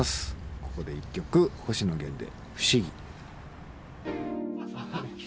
ここで一曲星野源で「不思議」。